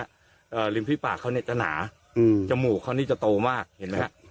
เอ่อริมพี่ปากเขาเนี้ยจะหนาอืมจมูกเขานี่จะโตมากเห็นไหมฮะ